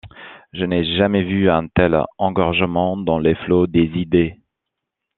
Je n’ai jamais vu un tel engorgement dans les flots des idées.